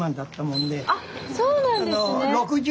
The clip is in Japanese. あっそうなんですね。